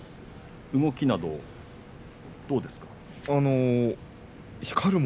動きなど、どうですか？